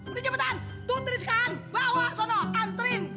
udah cepetan tuh teruskan bawa sana antrin